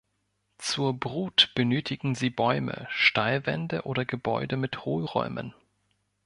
Zur Brut benötigen sie Bäume, Steilwände oder Gebäude mit Hohlräumen.